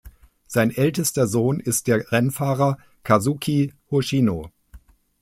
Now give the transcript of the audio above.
Sein ältester Sohn ist der Rennfahrer Kazuki Hoshino.